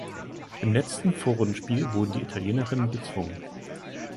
Im letzten Vorrundenspiel wurden die Italienerinnen bezwungen.